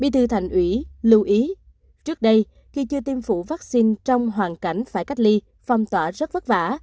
trước đây khi chưa tiêm phủ vaccine trong hoàn cảnh phải cách ly phong tỏa rất vất vả